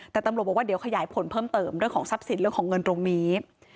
แต่ตำรวจบอกว่าเดี๋ยวขยายผลเพิ่มเติมเรื่องของทรัพย์สินเรื่องของเงินตรงนี้